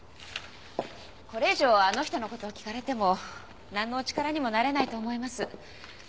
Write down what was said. これ以上あの人の事を聞かれてもなんのお力にもなれないと思います。